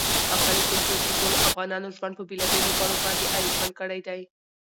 افغاني کلتور د ټولو افغانانو ژوند په بېلابېلو بڼو باندې اغېزمن کړی دی.